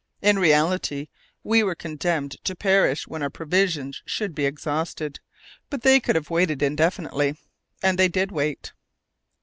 In reality, we were condemned to perish when our provisions should be exhausted, but they could have waited indefinitely and they did wait.